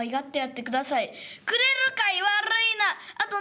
「くれるかい。悪いな。